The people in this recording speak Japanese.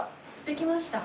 できました？